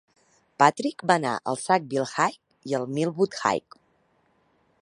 Patrick va anar al Sackville High i al Millwood High.